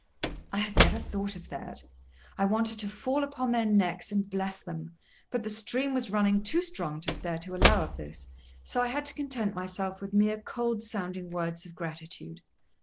I had never thought of that. I wanted to fall upon all their necks and bless them; but the stream was running too strong just there to allow of this, so I had to content myself with mere cold sounding words of gratitude.